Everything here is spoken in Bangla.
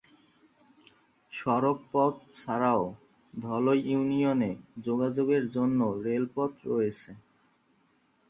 সড়ক পথ ছাড়াও ধলই ইউনিয়নে যোগাযোগের জন্য রেলপথ রয়েছে।